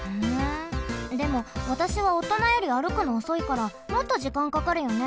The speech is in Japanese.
でもわたしはおとなより歩くのおそいからもっと時間かかるよね。